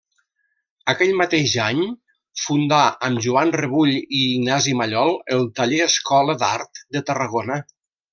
Aquell mateix any fundà amb Joan Rebull i Ignasi Mallol el Taller-Escola d'Art de Tarragona.